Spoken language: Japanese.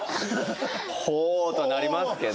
「ほう！」とはなりますけど。